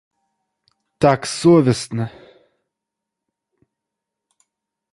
Так совестно!